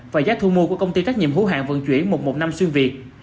và giá thu mua của công ty trách nhiệm hữu hạng vận chuyển mục một năm xuyên việt